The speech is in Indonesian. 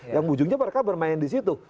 yang ujungnya mereka bermain di situ